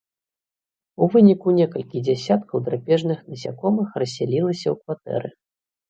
У выніку некалькі дзясяткаў драпежных насякомых рассялілася ў кватэры.